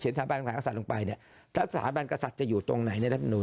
และสถาบันกษัตริย์จะอยู่ตรงไหนในรัฐมนุน